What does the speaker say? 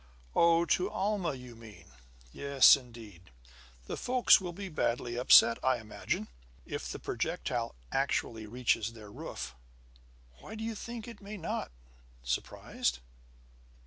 "Oh, to Alma, you mean! Yes, indeed; the folks will be badly upset, I imagine, if the projectile actually reaches their roof." "Why, do you think it may not?" surprised.